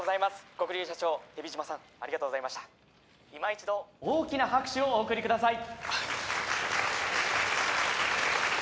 黒龍社長蛇島さんありがとうございましたいま一度大きな拍手をお送りください